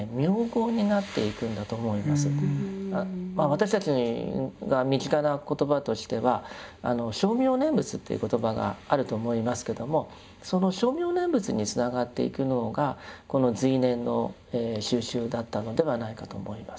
私たちが身近な言葉としては「称名念仏」という言葉があると思いますけどもその称名念仏につながっていくのがこの随念の修習だったのではないかと思います。